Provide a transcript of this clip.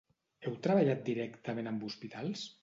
Heu treballat directament amb hospitals?